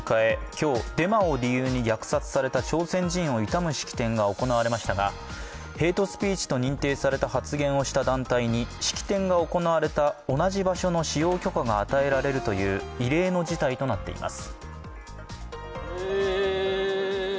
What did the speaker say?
今日、デマを理由に虐殺された朝鮮人を悼む式典が行われましたが、ヘイトスピーチと認定された発言をした団体に式典が行われた同じ場所の使用許可が与えられるという異例の事態となっています。